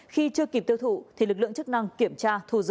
khi chưa kịp tiêu thụ thì lực lượng chức năng kiểm tra thu giữ